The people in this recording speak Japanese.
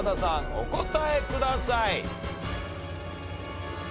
お答えください。